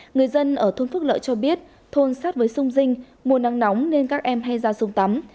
người dân ở thôn phước lợi cho biết thôn sát với sông dinh mùa nắng nóng nên các em hay ra sung tắm